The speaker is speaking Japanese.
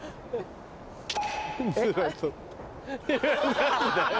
何だよ